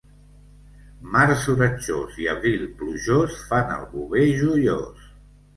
Març oratjós i abril plujós fan el bover joiós.